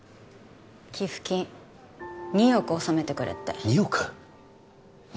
寄付金２億納めてくれって２億？